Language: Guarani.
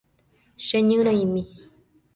Cheñyrõmi.